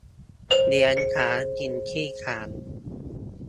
เลี้ยงช้างกินขี้ช้าง